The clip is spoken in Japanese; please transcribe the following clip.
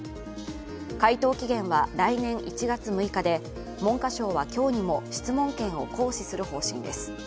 回答期限は来年１月６日で文科省は今日にも質問権を行使する方針です。